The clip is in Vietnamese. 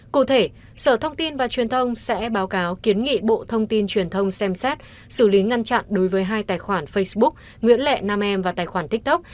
cụ thể sở thông tin và truyền thông sẽ báo cáo kiến nghị bộ thông tin truyền thông xem xét xử lý ngăn chặn đối với hai tài khoản facebook nguyễn lệ nam em và tài khoản tiktok